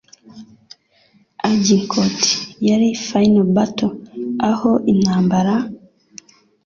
Agincourt yari Final Battle aho intambara